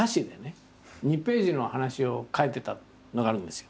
２ページの話を描いてたのがあるんですよ。